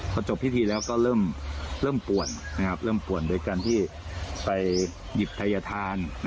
พอจบพิธีแล้วก็เริ่มป่วนเริ่มป่วนโดยการที่ไปหยิบทัยธาน